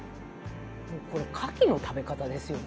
これかきの食べ方ですよね。